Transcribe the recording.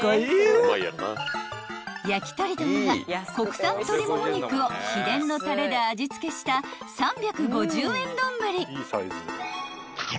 ［焼とり丼は国産鶏もも肉を秘伝のたれで味付けした３５０円丼］